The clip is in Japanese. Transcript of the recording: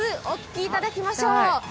お聞きいただきましょう。